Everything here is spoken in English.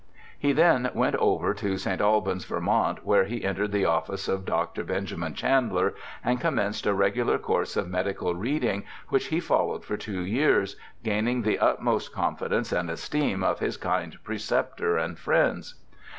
He then went over to St. Albans, Vt., where he entered the office of Dr. Ben jamin Chandler and commenced a regular course of medical reading, which he followed for two years, gaining the utmost confidence and esteem of his kind preceptor and friends.